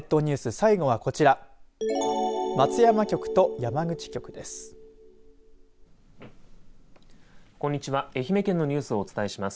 最後はこちら松山局と山口局です。